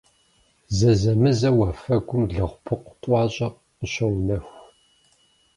Зэзэмызэ уафэгум лэгъупыкъу тӏуащӏэ къыщоунэху.